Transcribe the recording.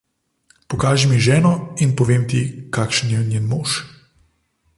Pokaži mi ženo, in povem ti, kakšen je njen mož.